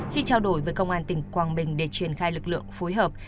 khi trao đổi với công an tỉnh quảng bình để triển khai lực lượng phối hợp